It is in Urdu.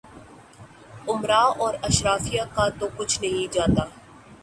امرا اور اشرافیہ کا تو کچھ نہیں جاتا۔